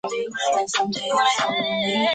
安藤希是日本的女演员。